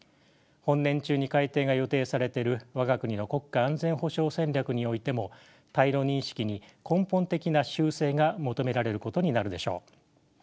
本年中に改訂が予定されている我が国の国家安全保障戦略においても対ロ認識に根本的な修正が求められることになるでしょう。